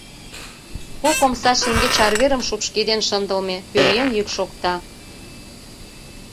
Кок омса шеҥгеч арверым шупшкеден шындылме, пӧръеҥ йӱк шокта.